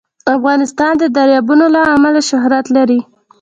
افغانستان د دریابونه له امله شهرت لري.